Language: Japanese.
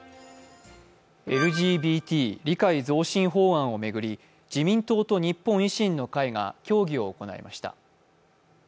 ＬＧＢＴ理解増進法案を巡り自民党と日本維新の会が協議を行いました。